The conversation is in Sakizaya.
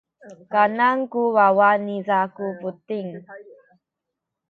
kanan nu wawa niza ku buting.